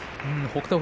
北勝